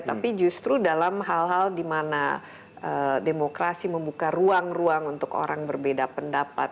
tapi justru dalam hal hal di mana demokrasi membuka ruang ruang untuk orang berbeda pendapat